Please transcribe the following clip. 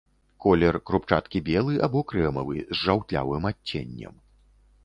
Колер крупчаткі белы або крэмавы, з жаўтлявым адценнем.